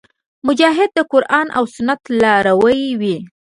مجاهد د قرآن او سنت لاروی وي.